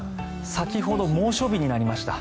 先ほど猛暑日になりました。